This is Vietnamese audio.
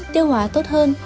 tiêu hóa tốt hơn